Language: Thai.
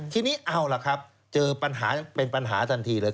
ทีนี้เอาล่ะครับเจอปัญหาเป็นปัญหาทันทีเลย